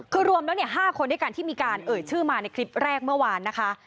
คือรวมแล้ว๕คนด้วยกันที่มีการเอ่ยชื่อมาในคลิปแรกเมื่อวานนะคะ